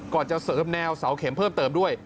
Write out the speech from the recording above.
ก่อนจะเสิร์ฟแนวเสาเข็มเพิ่มด้วย